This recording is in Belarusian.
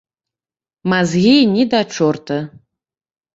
Мазгі ні да чорта!